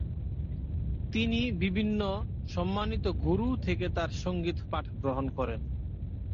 তিনি বিভিন্ন সম্মানিত 'গুরু' থেকে তাঁর সঙ্গীত পাঠ গ্রহণ করেন।